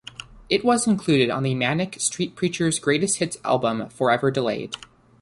It was included on the Manic Street Preachers' Greatest Hits album, "Forever Delayed".